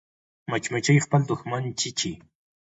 مچمچۍ خپل دښمن چیچي